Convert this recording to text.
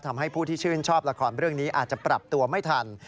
ทำให้ผู้ที่ชื่นชอบละครเรื่องนี้อาจจะปรับตัวไม่ทัน